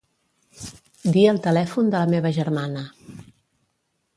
Dir el telèfon de la meva germana.